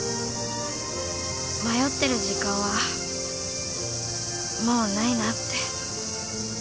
迷ってる時間はもうないなって。